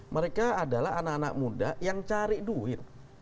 mereka adalah anak anak muda yang cari duit